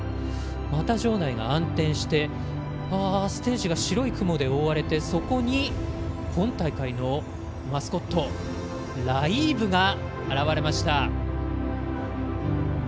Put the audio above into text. また場内が暗転してステージが白い雲で覆われて今大会のマスコットライーブが現れました。